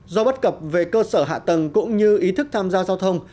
do bất cập về cơ sở hạ tầng cũng như ý thức tham gia giao thông